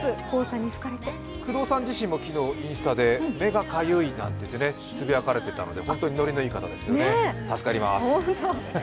工藤さん自身もインスタで目がかゆいなんてつぶやかれていたので本当にノリのいい方ですよね助かります。